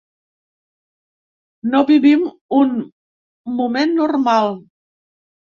No vivim un moment “normal”!